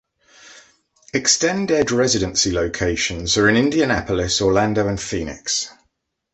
ExtendEd Residency locations are in Indianapolis, Orlando, and Phoenix.